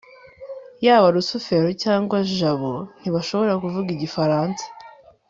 yaba rusufero cyangwa jabo, ntibashobora kuvuga igifaransa